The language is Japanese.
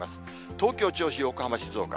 東京、銚子、横浜、静岡。